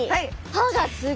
歯が。